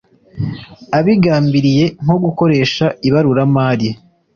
abigambiriye nko gukoresha ibaruramari